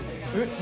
何？